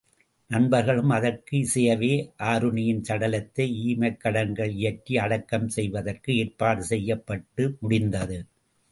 நண்பர்களும் அதற்கு இசையவே, ஆருணியின் சடலத்தை ஈமக்கடன்கள் இயற்றி அடக்கம் செய்வதற்கு ஏற்பாடு செய்யப்பட்டு முடிந்தது.